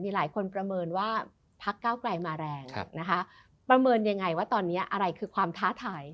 หลายคนประเมินว่าพักเก้าไกลมาแรงนะคะประเมินยังไงว่าตอนนี้อะไรคือความท้าทาย